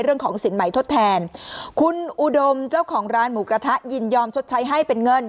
เรื่องของสินใหม่ทดแทนคุณอุดมเจ้าของร้านหมูกระทะยินยอมชดใช้ให้เป็นเงิน